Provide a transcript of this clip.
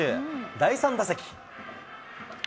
第３打席。